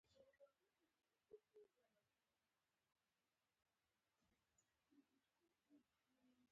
هایکو باید په لږ ځای کښي پراخ مفهوم ورکي.